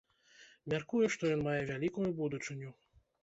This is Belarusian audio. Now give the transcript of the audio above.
Мяркую, што ён мае вялікую будучыню.